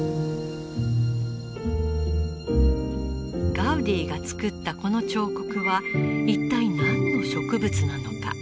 ガウディが作ったこの彫刻は一体何の植物なのか。